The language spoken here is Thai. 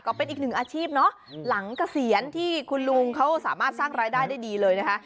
ก็เป็นอีกหนึ่งอาชีพเนอะหลังเกษียณที่คุณลุงเขาสามารถสร้างรายได้ได้ดีเลยนะคะ